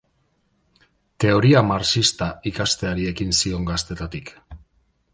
Teoria marxista ikasteari ekin zion gaztetatik.